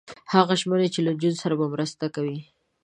هغه ژمنه ده چې له نجونو سره به مرسته کوي.